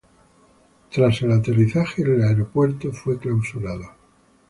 Tras el aterrizaje, el aeropuerto fue clausurado.